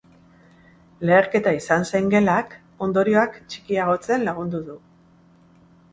Leherketa izan zen gelak ondorioak txikiagotzen lagundu du.